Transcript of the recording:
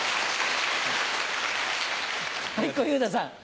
はい小遊三さん。